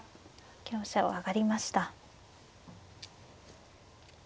香車を上がりました。